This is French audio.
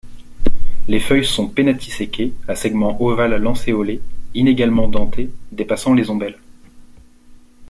Les feuilles sont pennatiséquées, à segments ovales-lancéolés, inégalement dentés, dépassant les ombelles.